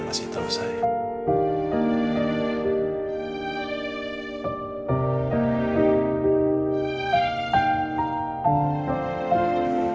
mereka sudah tahu sayang